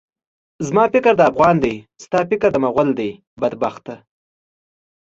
زما فکر د افغان دی، ستا فکر د مُغل دی، بدبخته!